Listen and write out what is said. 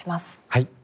はい。